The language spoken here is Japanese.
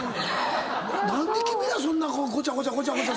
何で君らそんなごちゃごちゃごちゃごちゃ。